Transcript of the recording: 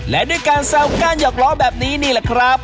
และด้วยการแซวการหยอกล้อแบบนี้นี่แหละครับ